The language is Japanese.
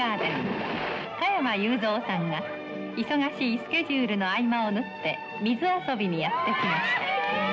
加山雄三さんが忙しいスケジュールの合間を縫って水遊びにやって来ました。